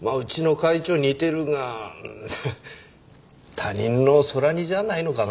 他人の空似じゃないのかな？